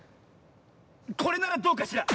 これならどうかしら？